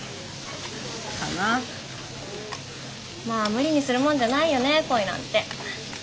まあ無理にするもんじゃないよね恋なんて。